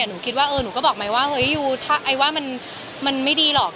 หนูก็บอกไม้ว่ามันไม่ดีหรอก